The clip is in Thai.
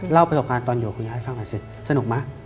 เล่าประสบการณ์ตอนอยู่กับคุณย้ายสร้างตัวเสร็จสนุกไหม